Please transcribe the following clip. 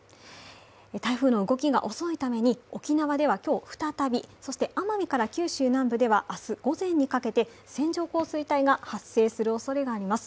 台風の動きが遅いために沖縄では今日、再びそして奄美から九州南部では明日午前にかけて線状降水帯が発生するおそれがあります。